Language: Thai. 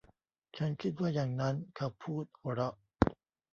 ฉันคิดว่าอย่างนั้น เขาพูด หัวเราะ